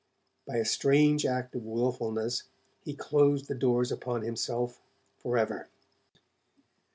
By a strange act of wilfulness, he closed the doors upon himself forever.